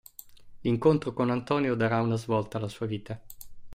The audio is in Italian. L'incontro con Antonio darà una svolta alla sua vita.